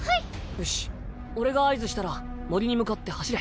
よし俺が合図したら森に向かって走れ。